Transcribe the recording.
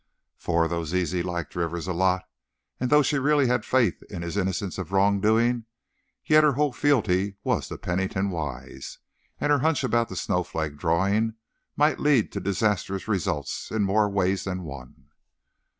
For though Zizi liked Rivers a lot, and though she really had faith in his innocence of wrongdoing, yet her whole fealty was to Pennington Wise, and her hunch about the snowflake drawing might lead to disastrous results in more ways than one.